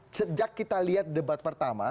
sejak kita lihat debat pertama